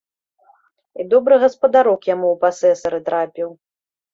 І добры гаспадарок яму ў пасэсары трапіў.